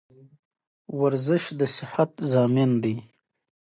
وزنه پورته کول هم هلته مشهور دي.